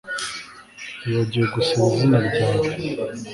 Wibagiwe gusiba izina ryawe